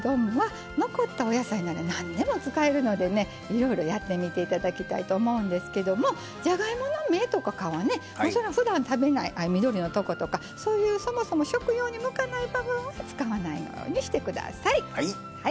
いろいろやってみて頂きたいと思うんですけどもじゃがいもの芽とか皮ねふだん食べない緑のとことかそういうそもそも食用に向かない部分は使わないようにして下さい。